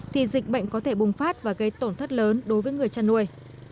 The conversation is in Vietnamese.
thì dịch bệnh có thể bùng phát và gây tổn thất lớn đối với người chăn nuôi